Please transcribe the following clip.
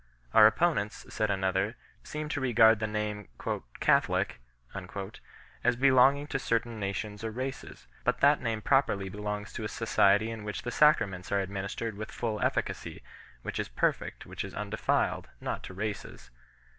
Our oppo nents, said another 3 , seem to regard the name "Catholic" as belonging to certain nations or races ; but that name properly belongs to a society in which the sacraments are administered with full efficacy, which is perfect, which is undefiled, not to races.